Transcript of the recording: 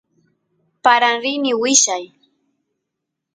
paran rini willay